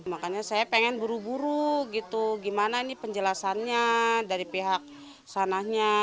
makanya saya pengen buru buru gitu gimana ini penjelasannya dari pihak sananya